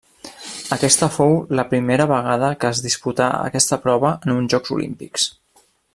Aquesta fou la primera vegada que es disputà aquesta prova en uns Jocs Olímpics.